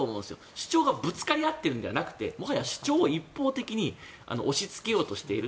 主張がぶつかり合ってるんじゃなくてもはや主張を一方的に押しつけようとしている。